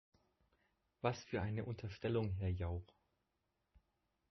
Was für eine Unterstellung, Herr Jauch!